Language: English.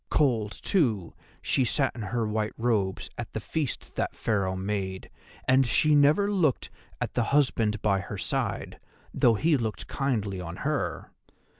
"Cold, too, she sat in her white robes at the feast that Pharaoh made, and she never looked at the husband by her side, though he looked kindly on her.